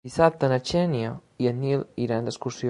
Dissabte na Xènia i en Nil iran d'excursió.